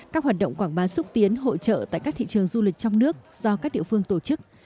các hoạt động quảng bá xúc tiến hỗ trợ tại các thị trường du lịch trong nước do các địa phương tổ chức